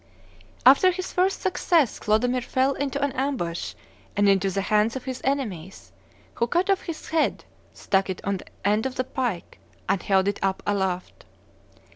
After his first success Clodomir fell into an ambush and into the hands of his enemies, who cut off his head, stuck it on the end of a pike and held it up aloft.